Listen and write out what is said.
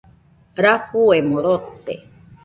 Rafuemo rote.